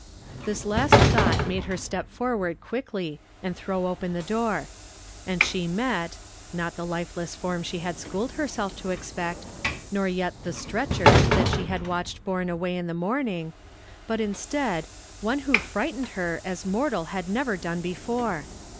'i'his last thought made her step forward quickly, aiul throw o[)en the door. And she met, not the lifeless form she had schooled herself to expect, nor yet the "stretcher" that she had watched })orne away in the morning, but instead, one who friglitened her as mortal had never done before.